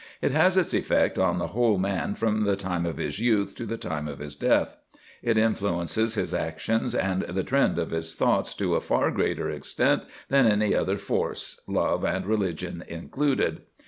It has its effect on the whole man from the time of his youth to the time of his death; it influences his actions and the trend of his thoughts to a far greater extent than any other force love and religion included.